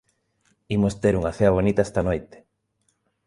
Imos ter unha cea bonita esta noite.